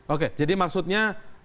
oke jadi maksudnya